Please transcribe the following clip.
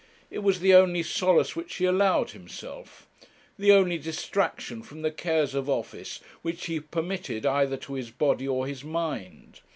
It was the only solace which he allowed himself; the only distraction from the cares of office which he permitted either to his body or his mind.